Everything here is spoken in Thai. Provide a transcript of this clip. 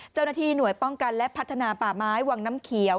เจ้าหน้าที่หน่วยป้องกันและพัฒนาป่าไม้วังน้ำเขียว